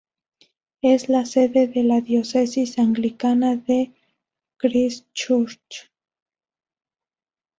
Es la sede de la Diócesis Anglicana de Christchurch.